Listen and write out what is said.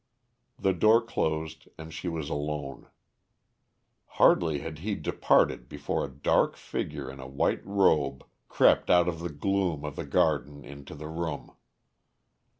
The door closed, and she was alone. Hardly had he departed before a dark figure in a white robe crept out of the gloom of the garden into the room.